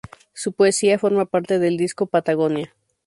Su poesía forma parte del disco "Patagonia.